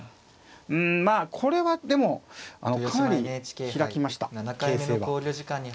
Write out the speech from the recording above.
うんまあこれはでもかなり開きました形勢は。